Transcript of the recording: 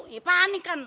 ya panik kan